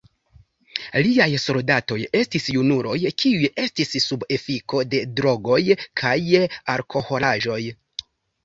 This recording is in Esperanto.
Liaj soldatoj estis junuloj kiuj estis sub efiko de drogoj kaj alkoholaĵoj.